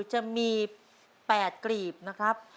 จะมี๘กรีบนะครับ